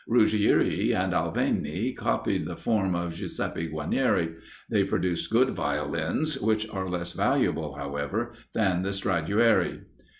Ruggieri and Alvani copied the form of Giuseppe Guarnieri; they produced good Violins, which are less valuable, however, than the Stradiuari.